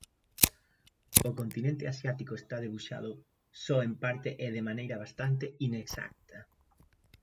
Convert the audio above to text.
O continente asiático está debuxado só en parte e de maneira bastante inexacta.